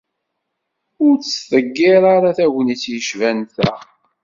Ur ttḍeggir ara tagnit yecban ta.